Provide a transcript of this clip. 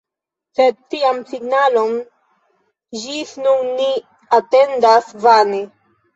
Sed tian signalon ĝis nun ni atendas vane.